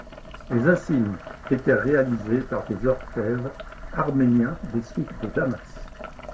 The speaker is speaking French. Les insignes étant réalisés par des orfèvres arméniens des souks de Damas.